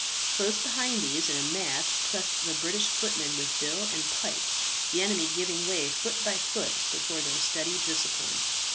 Close behind these in a mass pressed the British footmen with bill and pike, the enemy giving way foot by foot before their steady discipline.